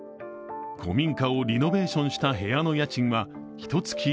古民家をリノベーションした部屋の家賃はひと月